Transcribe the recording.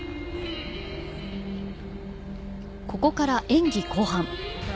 ここから演技後半。